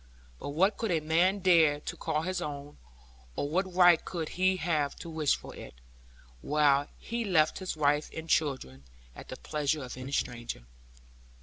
But what could a man dare to call his own, or what right could he have to wish for it, while he left his wife and children at the pleasure of any stranger?